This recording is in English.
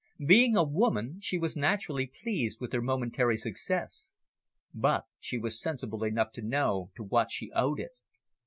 Being a woman, she was naturally pleased with her momentary success. But she was sensible enough to know to what she owed it.